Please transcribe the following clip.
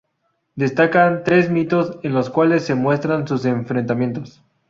Destacan tres mitos en los cuales se muestran sus enfrentamientos.